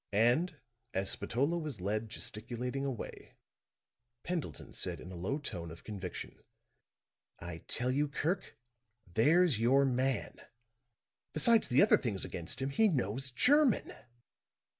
And, as Spatola was led gesticulating away, Pendleton said in a low tone of conviction: "I tell you, Kirk, there's your man. Besides the other things against him, he knows German."